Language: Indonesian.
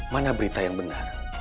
mana berita yang benar